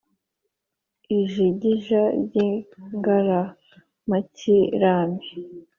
Ijigija ry'ingaramakirambi